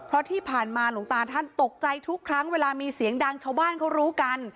เพราะที่ผ่านมาหลวงตาท่านตกใจทุกครั้งเวลามีเสียงดังชาวบ้านเขารู้กัน